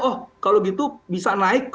oh kalau gitu bisa naik